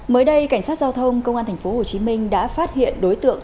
mới đây cảnh sát giao thông công an thành phố hồ chí minh đã phát hiện đối tượng